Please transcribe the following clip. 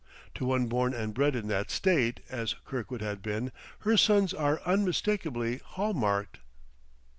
To one born and bred in that state, as Kirkwood had been, her sons are unmistakably hall marked.